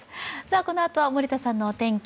このあとは森田さんのお天気。